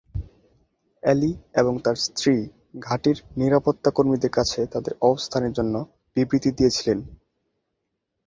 Alley এবং তার স্ত্রী ঘাঁটির নিরাপত্তা কর্মীদের কাছে তাদের অবস্থানের জন্য বিবৃতি দিয়েছিলেন।